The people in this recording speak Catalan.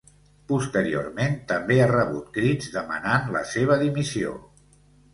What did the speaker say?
Posteriorment, també ha rebut crits demanant la seva dimissió.